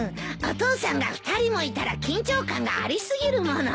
お父さんが２人もいたら緊張感があり過ぎるもの。